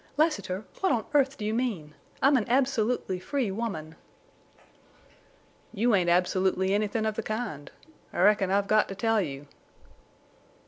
"Lassiter!... What on earth do you mean? I'm an absolutely free woman." "You ain't absolutely anythin' of the kind.... I reckon I've got to tell you!"